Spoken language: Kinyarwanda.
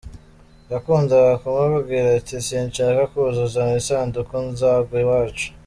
Yakundaga kumubwira ati"Sinshaka kuzaza mu isanduku, nzagwa iwacu.